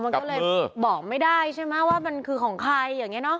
มันก็เลยบอกไม่ได้ใช่ไหมว่ามันคือของใครอย่างนี้เนาะ